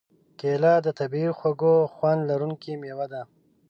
کېله د طبعیي خوږ خوند لرونکې مېوه ده.